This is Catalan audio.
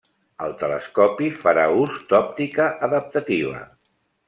El telescopi farà ús d'òptica adaptativa.